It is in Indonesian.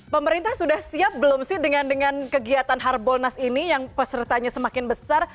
pemerintah sudah siap belum sih dengan dengan kegiatan harbolnas ini yang pesertanya semakin besar